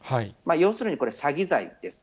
要するにこれ、詐欺罪です。